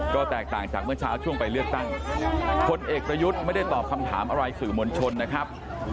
ก็แตกต่างจากเมื่อเช้าช่วงไปเลือกตั้งพลเอกประยุทธ์ไม่ได้ตอบคำถามอะไรสื่อมวลชนนะครับ